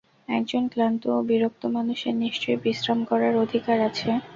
একজন ক্লান্ত ও বিরক্ত মানুষের নিশ্চয়ই বিশ্রাম করার অধিকার আছে।